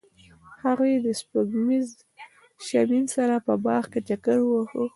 هغوی د سپوږمیز شمیم سره په باغ کې چکر وواهه.